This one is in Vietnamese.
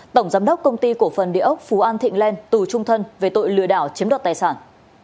tổng giám đốc công ty cổ phần địa ốc phú an thịnh lên tù trung thân về tội lừa đảo chiếm đoạt tài sản